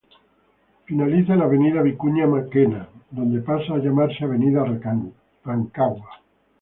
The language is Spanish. Finaliza en Avenida Vicuña Mackenna, donde pasa a llamarse Avenida Rancagua.